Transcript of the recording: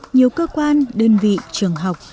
nhiều cơ quan đơn vị trường học